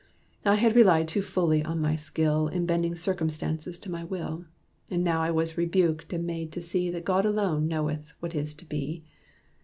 I had relied too fully on my skill In bending circumstances to my will: And now I was rebuked and made to see That God alone knoweth what is to be.